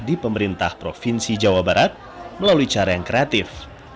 di pemerintah provinsi jawa barat melalui cara yang kreatif